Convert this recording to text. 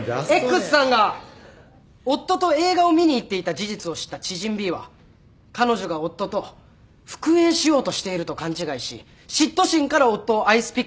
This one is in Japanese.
Ｘさんが夫と映画を見に行っていた事実を知った知人Ｂは彼女が夫と復縁しようとしていると勘違いし嫉妬心から夫をアイスピックで刺した。